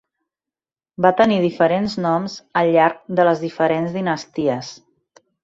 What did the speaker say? Va tenir diferents noms al llarg de les diferents dinasties.